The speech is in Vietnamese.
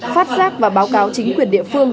phát giác và báo cáo chính quyền địa phương